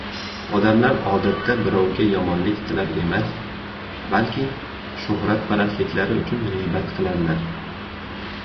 Odamlar odatda birovga yomonlik tilab emas, balki shuhratparastliklari uchun g‘iybat qiladilar.